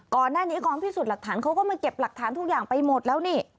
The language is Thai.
ก่อนหน้านี้กองพิสูจน์หลักฐานเขาก็มาเก็บหลักฐานทุกอย่างไปหมดแล้วนี่